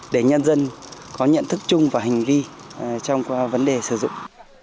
để nhân dân có nhận thức chung và hành vi trong vấn đề sử dụng